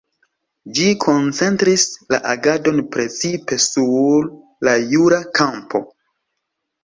Ĝi koncentris la agadon precipe sur la jura kampo.